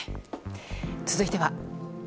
続いては。